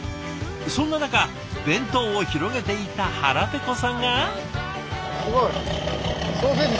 そんな中弁当を広げていた腹ペコさんが。